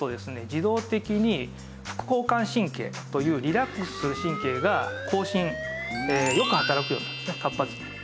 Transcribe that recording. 自動的に副交感神経というリラックスする神経が高進よく働くようになるんですね活発に。